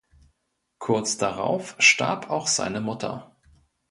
Kurz darauf starb auch seine Mutter.